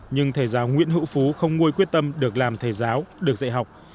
nhưng thầy giáo nguyễn hữu phú không nguôi quyết tâm được làm thầy giáo được dạy học